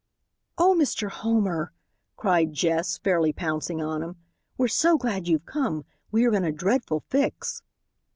"Oh, Mr. Homer," cried Jess, fairly pouncing on him, "we're so glad you've come; we are in a dreadful fix."